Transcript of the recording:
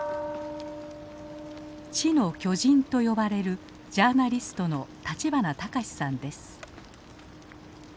「知の巨人」と呼ばれるジャーナリストの立花隆さんです。